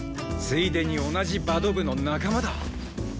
ついでに同じバド部の仲間だ。